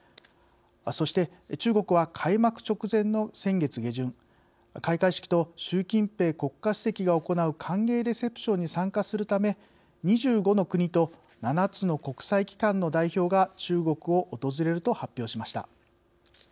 そして中国は、開幕直前の先月下旬、開会式と習近平国家主席が行う歓迎レセプションに参加するため２５の国と７つの国際機関の代表が中国を訪れると発表しました。